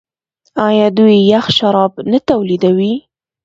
آیا دوی یخ شراب نه تولیدوي؟